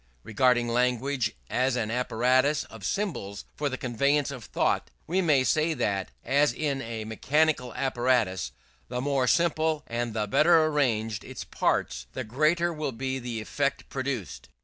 Regarding language as an apparatus of symbols for the conveyance of thought, we may say that, as in a mechanical apparatus, the more simple and the better arranged its parts, the greater will be the effect produced.